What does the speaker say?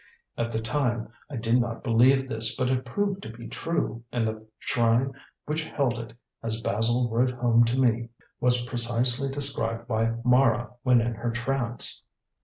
At the time I did not believe this, but it proved to be true, and the shrine which held it, as Basil wrote home to me, was precisely described by Mara when in her trance."